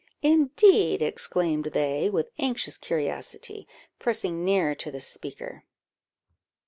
"Indeed!" exclaimed they, with anxious curiosity, pressing nearer to the speaker.